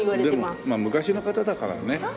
でもまあ昔の方だからね。